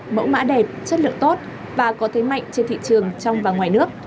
mẫu mã đẹp chất lượng tốt và có thế mạnh trên thị trường trong và ngoài nước